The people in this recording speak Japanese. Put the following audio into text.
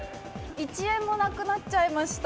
一円もなくなっちゃいました。